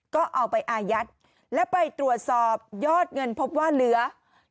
ก็เอาไปอายัดและไปตรวจสอบยอดเงินพบว่าเหลือ